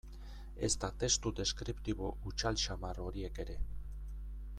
Ezta testu deskriptibo hutsal samar horiek ere.